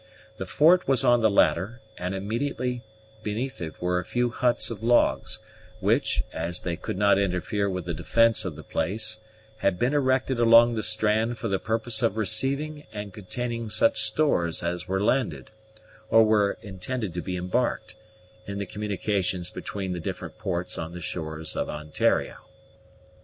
The fort was on the latter, and immediately beneath it were a few huts of logs, which, as they could not interfere with the defence of the place, had been erected along the strand for the purpose of receiving and containing such stores as were landed, or were intended to be embarked, in the communications between the different ports on the shores of Ontario.